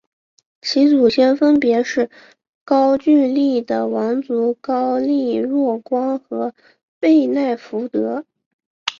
其祖先分别是高句丽的王族高丽若光和背奈福德。